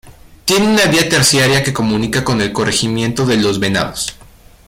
Tienda una vía terciaria que comunica con el corregimiento de Los Venados.